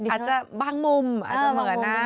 อาจจะบางมุมอาจจะเหมือนนะ